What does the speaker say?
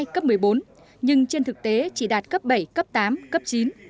cấp một mươi bốn nhưng trên thực tế chỉ đạt cấp bảy cấp tám cấp chín